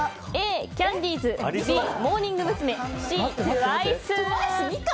Ａ、キャンディーズＢ、モーニング娘。